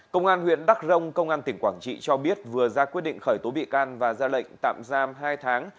công an huyện đắc rông công an tỉnh quảng trị cho biết vừa ra quyết định khởi tố bị can và ra lệnh tạm giam hai tháng